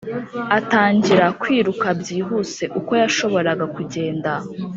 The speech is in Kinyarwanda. atangira kwiruka byihuse uko yashoboraga kugenda,